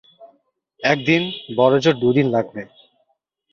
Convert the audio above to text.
এক দিন, বড়জোর দু দিন লাগবে।